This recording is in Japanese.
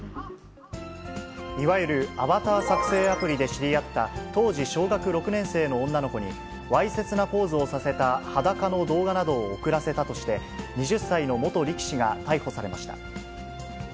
いわゆるアバター作成アプリで知り合った当時小学６年生の女の子に、わいせつなポーズをさせた裸の動画などを送らせたとして、２０歳の元力士が逮捕されました。